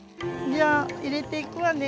じゃあ入れていくわね。